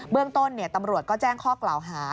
เรื่องต้นตำรวจก็แจ้งข้อกล่าวหา